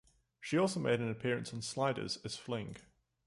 She also made an appearance on "Sliders" as Fling.